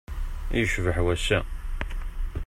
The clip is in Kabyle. I yecbeḥ wass-a!